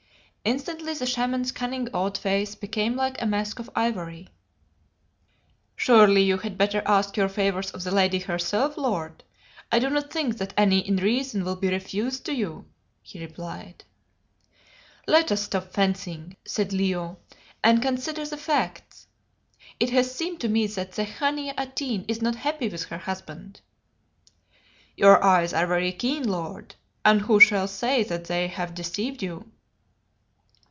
Instantly the Shaman's cunning old face became like a mask of ivory. "Surely you had better ask your favours of the lady herself, lord; I do not think that any in reason will be refused to you," he replied. "Let us stop fencing," said Leo, "and consider the facts. It has seemed to me that the Khania Atene is not happy with her husband." "Your eyes are very keen, lord, and who shall say that they have deceived you?"